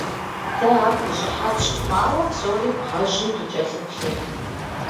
Дэ ар гущӀыхьэ тщыхъуауэ, псори бгъэжьым дыкӀэлъыплъырт.